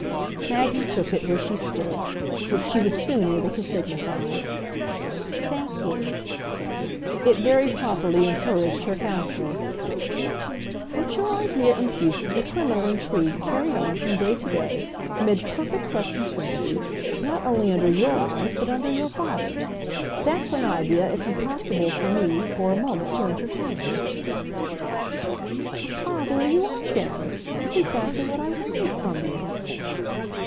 Maggie took it where she stood which she was soon able to signify. "Thank you." It very properly encouraged her counsellor. "What your idea imputes is a criminal intrigue carried on, from day to day, amid perfect trust and sympathy, not only under your eyes, but under your father's. That's an idea it's impossible for me for a. moment to entertain." "Ah, there you are then! It's exactly what I wanted from you."